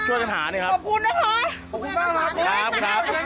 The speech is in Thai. ช่วยกันหานี่ครับขอบคุณนะคะขอบคุณมากครับครับ